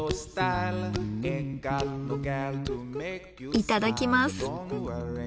いただきます。